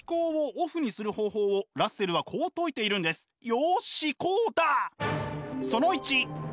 よしこうだ！